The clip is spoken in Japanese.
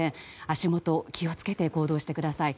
足元、気を付けて行動してください。